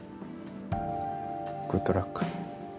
グッドラック。